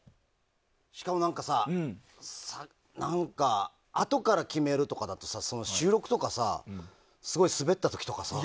しかも、何かあとから決めるとかだと収録とか、すごいスベった時とか。